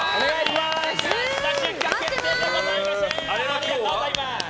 ありがとうございます！